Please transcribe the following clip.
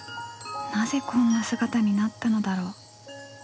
なぜこんな姿になったのだろう？